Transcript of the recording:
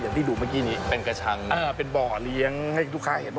ที่ดูเมื่อกี้นี้เป็นกระชังเป็นบ่อเลี้ยงให้ลูกค้าเห็นว่า